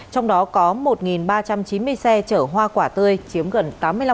trong đó có một ba trăm chín mươi xe chở hoa quả tươi chiếm gần tám mươi năm